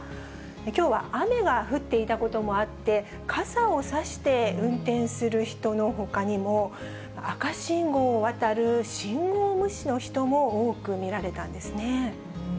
きょうは雨が降っていたこともあって、傘を差して運転する人のほかにも、赤信号を渡る信号無視の人も多く見られたんですね。